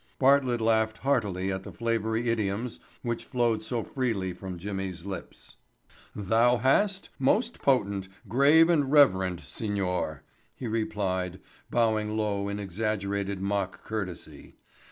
Bartlett laughed heartily at the flavory idioms which flowed so freely from Jimmy's lips. "Thou hast, most potent, grave and reverend signor," he replied, bowing low in exaggerated mock courtesy.